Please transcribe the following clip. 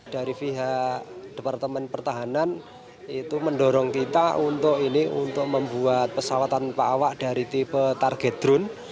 dari pihak departemen pertahanan itu mendorong kita untuk ini untuk membuat pesawat tanpa awak dari tipe target drone